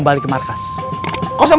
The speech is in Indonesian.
berita tidak anticam opposing